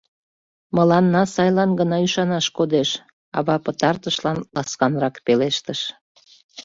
— Мыланна сайлан гына ӱшанаш кодеш, — ава пытартышлан ласканрак пелештыш.